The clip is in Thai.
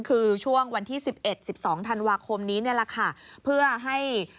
คือช่วงวันที่๑๑๑๒ธันวาคมนี้แหละค่ะ